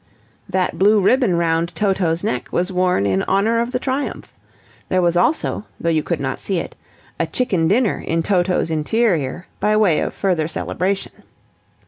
That blue ribbon round Toto's neck was worn in honour of the triumph. There was also, though you could not see it, a chicken dinner in Toto's interior, by way of further celebration.